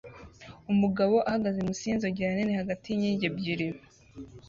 Umugabo ahagaze munsi yinzogera nini hagati yinkingi ebyiri